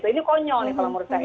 ini konyol nih kalau menurut saya